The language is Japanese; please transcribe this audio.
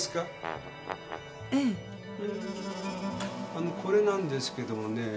あのこれなんですけどもねえ。